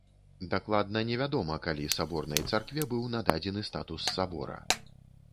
Дакладна невядома, калі саборнай царкве быў нададзены статус сабора.